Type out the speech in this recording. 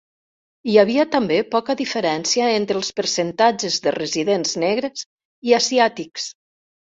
Hi havia també poca diferència entre els percentatges de residents negres i asiàtics.